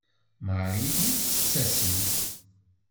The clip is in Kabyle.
Marie ur tettasem.